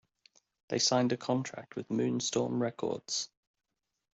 They signed a contract with Moonstorm Records.